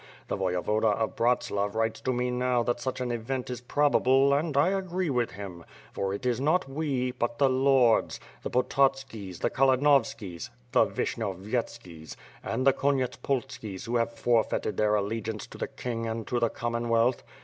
The Voyevoda of Bratslav writes to me now that such an event is probable and I agree with him, for it is not we, but the lords; the Pototskis, the Kalinovskis, the Vishnyovyetskis, and the Konietspolskis who have forfeited their allegiance to the king 326 WITH FIRE AND SWORD. and to the Commonwealth.